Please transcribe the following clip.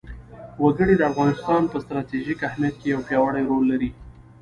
وګړي د افغانستان په ستراتیژیک اهمیت کې یو پیاوړی رول لري.